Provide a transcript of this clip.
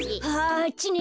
あっちね。